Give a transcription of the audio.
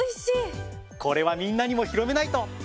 これはみんなにも広めないと！